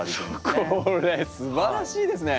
これすばらしいですね！